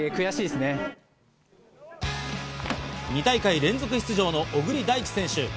２大会連続出場の小栗大地選手。